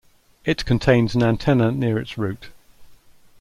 It contains an antenna near its root.